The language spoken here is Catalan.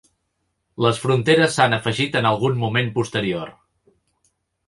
Les fronteres s'han afegit en algun moment posterior.